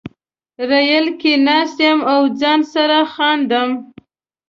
ریل کې ناست یم او ځان سره خاندم